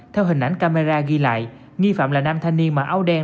theo hình ảnh camera ghi lại nghi phạm là nam thanh niên mặc áo đen